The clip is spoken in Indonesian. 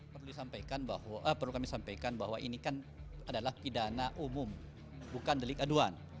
perlu kami sampaikan bahwa ini kan adalah pidana umum bukan delik aduan